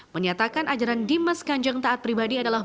menyatakan ajaran dimas kanjeng taat pribadi adalah